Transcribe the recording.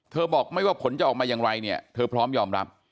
เธอบอกไม่ว่าผลจะออกมายังไงเธอพร้อมยอมรับ